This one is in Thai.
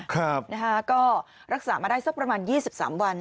ก็รักษามาได้สักประมาณ๒๓วัน